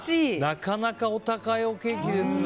なかなかお高いおケーキですね。